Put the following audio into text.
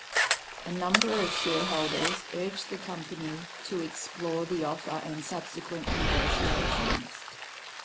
A number of shareholders urged the company to explore the offer and subsequent negotiations.